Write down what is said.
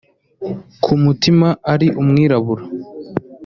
ku mutima ari umwirabura